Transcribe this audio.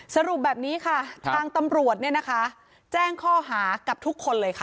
สรุปแบบนี้ค่ะทางตำรวจเนี่ยนะคะแจ้งข้อหากับทุกคนเลยค่ะ